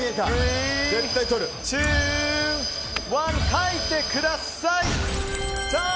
書いてください！